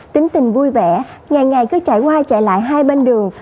tính tình vui vẻ ngày ngày cứ chạy qua chạy lại hai bên đường